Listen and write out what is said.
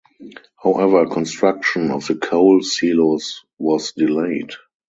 However construction of the coal silos was delayed.